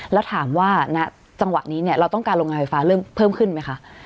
แล้วถามว่าณจังหวะนี้เราต้องการโรงงานไฟฟ้าเริ่มเพิ่มขึ้นไหมคะ